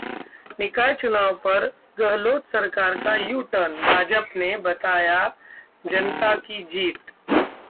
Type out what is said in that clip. निकाय चुनावों पर गहलोत सरकार का यू-टर्न, भाजपा ने बताया जनता की जीत